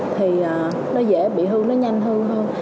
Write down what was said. thì nó dễ bị hư nó nhanh hư hơn